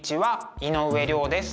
井上涼です。